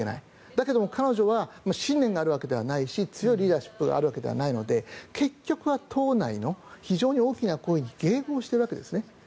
だけど彼女は信念があるわけではないし強いリーダーシップがあるわけではないので結局は党内の非常に大きな声に迎合しているわけですね。